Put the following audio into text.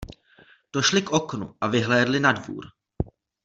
Došli k oknu a vyhlédli na dvůr.